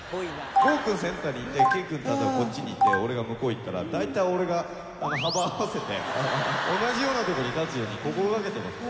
剛君センターにいて健君こっちにいて俺が向こう行ったらだいたい俺が幅合わせて同じようなとこに立つように心がけてます。